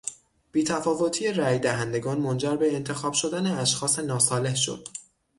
بیتفاوتی رای دهندگانمنجر به انتخاب شدن اشخاص ناصالح شد.